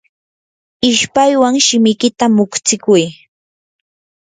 ishpaywan shimikita muqstikuy.